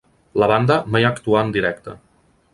La banda mai actuà en directe.